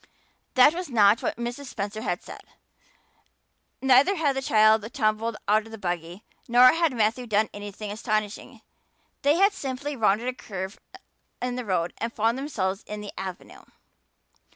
That was not what Mrs. Spencer had said; neither had the child tumbled out of the buggy nor had Matthew done anything astonishing. They had simply rounded a curve in the road and found themselves in the "Avenue."